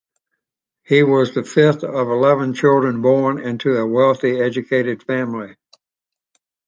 He was the fifth of eleven children born into a wealthy, educated family.